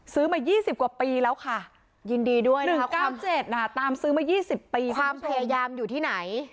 ซื้อมา๒๐กว่าปีแล้วค่ะยินดีด้วยนะคะ๙๗นะคะตามซื้อมา๒๐ปีความพยายามอยู่ที่ไหน